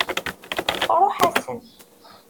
Tṛuḥ-asen.